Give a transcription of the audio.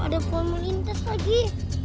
ada pun melintas lagi